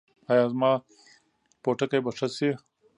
ایا زما پوټکی به ښه شي؟